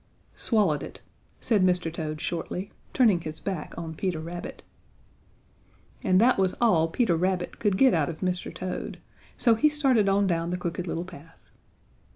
"Swallowed it," said Mr. Toad shortly, turning his back on Peter Rabbit. And that was all Peter Rabbit could get out of Mr. Toad, so he started on down the Crooked Little Path.